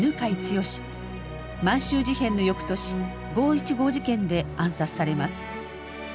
満州事変の翌年５．１５事件で暗殺されます。